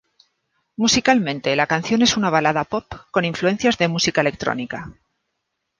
Musicalmente, la canción es una balada pop con influencias de música electrónica.